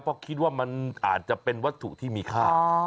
เพราะคิดว่ามันอาจจะเป็นวัตถุที่มีค่า